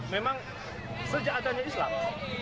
memang sejak adanya islam